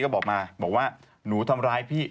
ก็บอกมาบอกว่าหนูทำร้ายพี่